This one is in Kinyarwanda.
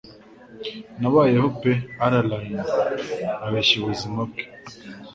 Nabayeho pe Allayne ambeshya ubuzima bwe